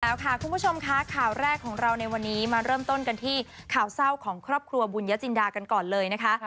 แล้วค่ะคุณผู้ชมค่ะข่าวแรกของเราในวันนี้มาเริ่มต้นกันที่ข่าวเศร้าของครอบครัวบุญยจินดากันก่อนเลยนะคะ